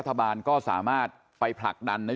คุณวราวุฒิศิลปะอาชาหัวหน้าภักดิ์ชาติไทยพัฒนา